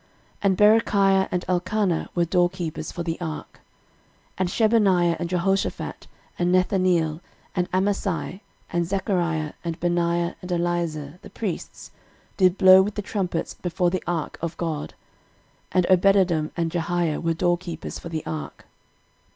13:015:023 And Berechiah and Elkanah were doorkeepers for the ark. 13:015:024 And Shebaniah, and Jehoshaphat, and Nethaneel, and Amasai, and Zechariah, and Benaiah, and Eliezer, the priests, did blow with the trumpets before the ark of God: and Obededom and Jehiah were doorkeepers for the ark.